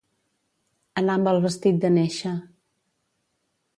Anar amb el vestit de néixer.